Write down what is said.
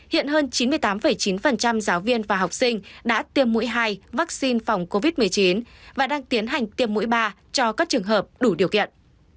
hiện hơn chín mươi tám chín giáo viên và học sinh đã tiêm mũi hai vaccine phòng covid một mươi chín và đang tiến hành tiêm mũi ba cho các trường hợp đủ điều kiện